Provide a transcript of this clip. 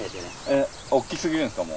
えっおっきすぎるんですか？